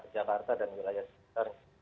jakarta dan wilayah sekitar